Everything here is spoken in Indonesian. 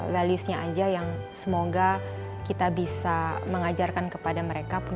valuesnya aja yang semoga kita bisa mengajarkan kepada mereka